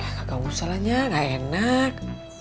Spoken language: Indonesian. ya kagak usah lah nya gak enak